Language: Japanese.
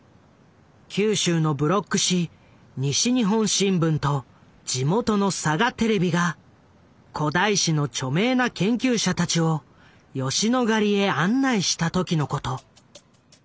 九州のブロック紙・西日本新聞と地元のサガテレビが古代史の著名な研究者たちを吉野ヶ里へ案内した時のこと。